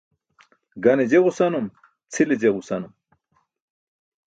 Gane je ġusanum, cʰile je ġusanum.